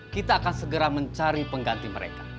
kita akan segera mencari pengganti mereka